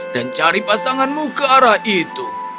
dan cari pasanganmu ke arah itu